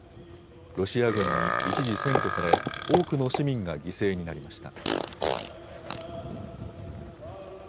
ロシア軍に一時占拠され、多くの市民が犠牲になりました。